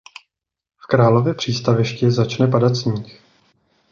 V Králově přístavišti začne padat sníh.